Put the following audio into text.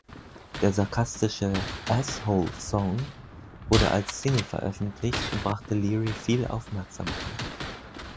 Der sarkastische „Asshole“-Song wurde als Single veröffentlicht und brachte Leary viel Aufmerksamkeit.